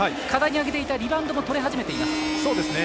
課題に挙げてきたリバウンドも取れ始めています。